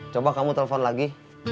coba kamu telfon lagi